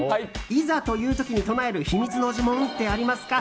いざという時に唱える秘密の呪文ってありますか？